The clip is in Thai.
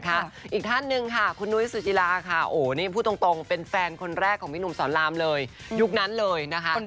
มีโอกาสติดต่อทางพี่หนุ่มได้มั้ยค่ะ